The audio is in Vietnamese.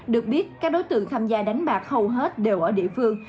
được biết các đối tượng tham gia đánh bạc hầu hết đều ở địa phương